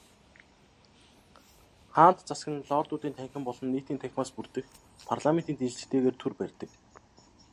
Хаант засаг нь Лордуудын танхим болон Нийтийн танхимаас бүрдэх парламентын дэмжлэгтэйгээр төр барьдаг.